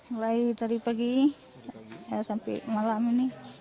mulai dari pagi sampai malam ini